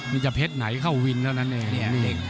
มันจะเพชรไหนเข้าวินแล้วนั่นเอง